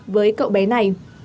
với cậu bé này